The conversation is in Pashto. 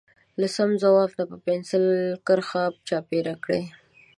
له سم ځواب نه په پنسل کرښه چاپېره کړئ.